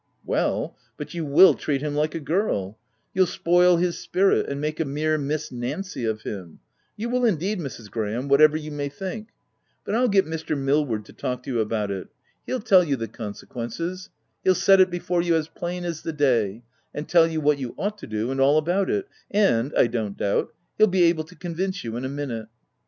" Well, but you will treat him like a girl — you'll spoil his spirit, and make a mere Miss Nancy of him — you will indeed, Mrs. Graham, whatever you may think — But I'll get Mr. 54 THE TENANT Millward to talk to you about it:— he'll tell you the consequences ;— he'll set it before you as plain as the day ;— and tell you what you ought to do, and all about it;— and, I don't doubt, he'll be able to convince you in a minute.'